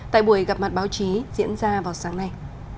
tại buổi gặp mặt báo chí diễn ra vào sáng nay